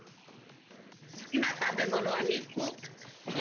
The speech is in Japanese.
好きな食べ物は、肉。